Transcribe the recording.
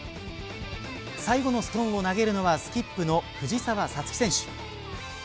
最後のストーンを投げるのはスキップの藤澤五月選手。